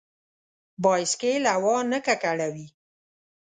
بایسکل هوا نه ککړوي.